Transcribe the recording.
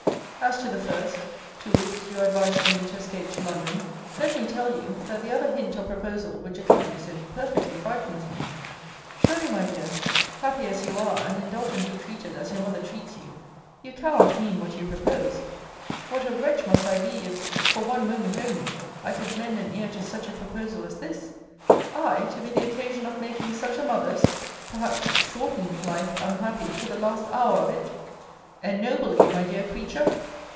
As to the first; to wit, your advice for me to escape to London let me tell you, that the other hint or proposal which accompanies it perfectly frightens me surely, my dear, (happy as you are, and indulgently treated as your mother treats you,) you cannot mean what you propose! What a wretch must I be, if, for one moment only, I could lend an ear to such a proposal as this! I, to be the occasion of making such a mother's (perhaps shortened) life unhappy to the last hour of it! Ennoble you, my dear creature!